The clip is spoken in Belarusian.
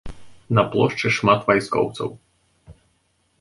На плошчы шмат вайскоўцаў.